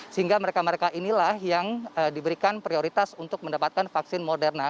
sehingga mereka mereka inilah yang diberikan prioritas untuk mendapatkan vaksin moderna